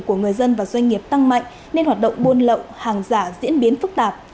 của người dân và doanh nghiệp tăng mạnh nên hoạt động buôn lậu hàng giả diễn biến phức tạp